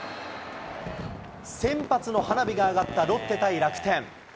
１０００発の花火が上がったロッテ対楽天。